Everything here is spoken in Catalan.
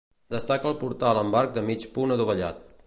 Destaca el portal amb arc de mig punt adovellat.